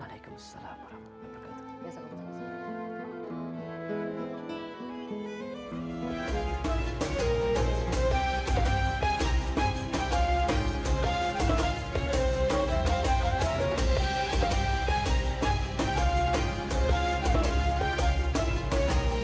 waalaikumsalam warahmatullahi wabarakatuh